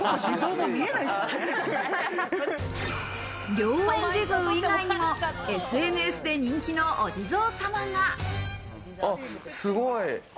良縁地蔵以外にもＳＮＳで人気のお地蔵様が。